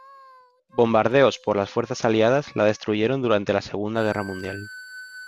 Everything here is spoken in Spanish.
Bombardeos por las fuerzas aliadas la destruyeron durante la Segunda Guerra Mundial.